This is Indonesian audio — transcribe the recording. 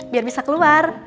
biar bisa keluar